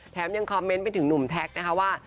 ยังคอมเมนต์ไปถึงหนุ่มแท็กนะคะว่า